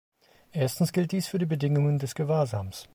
Erstens gilt dies für die Bedingungen des Gewahrsams.